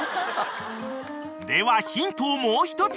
［ではヒントをもう一つ］